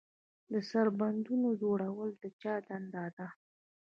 د سربندونو جوړول د چا دنده ده؟